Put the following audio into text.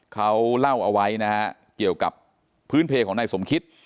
เขาเล่าเอาไว้นะฮะเกี่ยวกับพื้นเพลของนายสมคิต